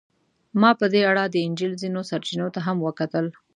ما په دې اړه د انجیل ځینو سرچینو ته هم وکتل.